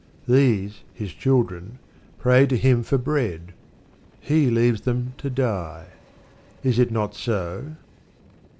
These His children pray to Him for bread. He leaves them to die. Is it not so?